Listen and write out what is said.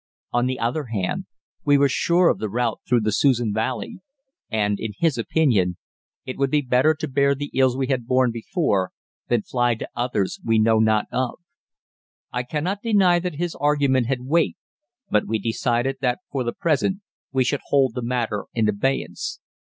On the other hand, we were sure of the route through the Susan Valley, and, in his opinion, it would be better to bear the ills we had borne before than fly to others we know not of. I cannot deny that his argument had weight, but we decided that for the present we should hold the matter in abeyance.